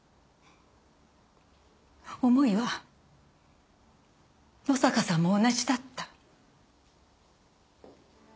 思いは野坂さんも同じだった。